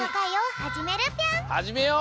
はじめよう。